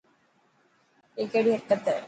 اي ڪهڙي حرڪت هي.